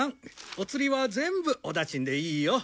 おつりは全部お駄賃でいいよ。